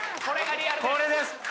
これです